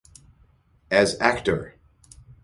As Actor